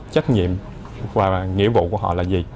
trách nhiệm và nghĩa vụ của họ là gì